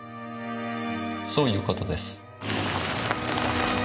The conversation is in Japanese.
そういうことです。